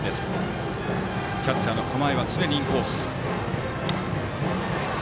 キャッチャーの構えは常にインコース。